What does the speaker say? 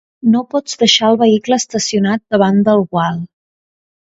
No pots deixar el vehicle estacionat davant del gual.